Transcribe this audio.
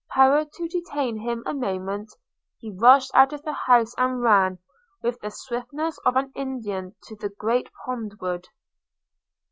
power to detain him a moment. He rushed out of the house, and ran, with the swiftness of an Indian, to the great pond wood.